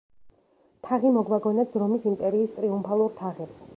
თაღი მოგვაგონებს რომის იმპერიის ტრიუმფალურ თაღებს.